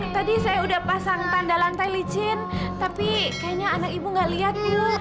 tadi saya udah pasang tanda lantai licin tapi kayaknya anak ibu nggak liat bu